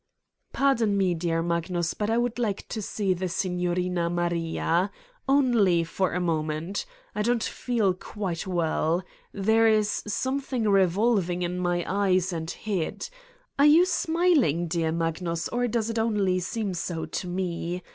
" Pardon me, dear Magnus, but I would like to see the Signorina Maria. Only for a moment. I don't feel quite well. There is something re volving in my eyes and head. Are you smiling, dear Magnus, or does it only seem so to me?